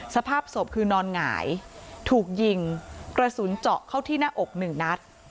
สภาพศพคือนอนหงายถูกยิงกระสุนเจาะเข้าที่หน้าอกหนึ่งนัด